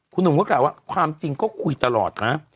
คุณหนุ่มก็กล่าวว่าความจริงก็คุยตลอดนะ